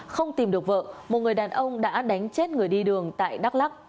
không tìm được vợ một người đàn ông đã đánh chết người đi đường tại đắk lắc